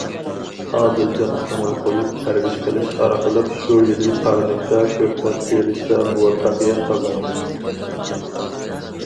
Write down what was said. ئادىلجان كۆڭۈل قويۇپ پەرۋىش قىلىش ئارقىلىق شۇ يىلى پارنىكتا كۆكتات تېرىشتا مۇۋەپپەقىيەت قازاندى.